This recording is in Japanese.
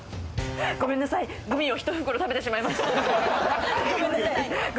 ごめんなさい、グミを１袋食べてしまいましたって。